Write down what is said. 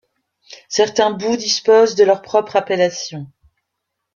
Certains bouts disposent de leur propre appellation.